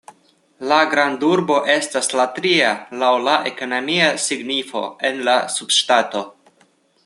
La grandurbo estas la tria laŭ la ekonomia signifo en la subŝtato.